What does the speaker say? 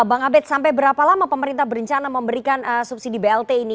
bang abed sampai berapa lama pemerintah berencana memberikan subsidi blt ini